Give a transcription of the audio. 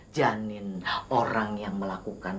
janin orang yang melakukan